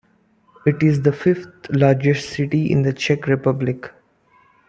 It is the fifth-largest city in the Czech Republic.